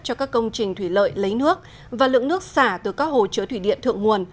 cho các công trình thủy lợi lấy nước và lượng nước xả từ các hồ chứa thủy điện thượng nguồn